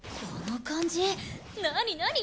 この感じ何？